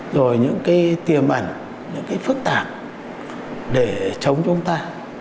rồi những cái tiềm ẩn những cái phức tạp để chống chúng ta